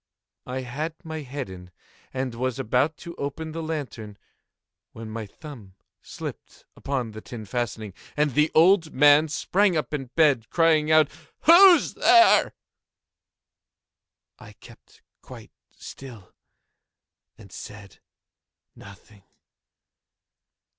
I had my head in, and was about to open the lantern, when my thumb slipped upon the tin fastening, and the old man sprang up in bed, crying out—"Who's there?" I kept quite still and said nothing.